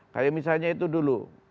kayak misalnya itu dulu